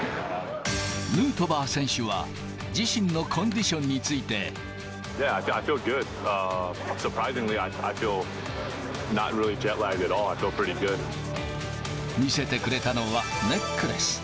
ヌートバー選手は、自身のコンディションについて。見せてくれたのはネックレス。